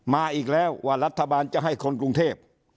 มาอีกแล้วว่ารัฐบาลจะให้คนกรุงเทพ